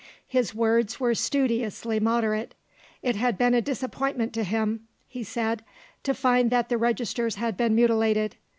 His words were studiously moderate. It had been a disappointment to him, he said, to find that the registers had been mutilated.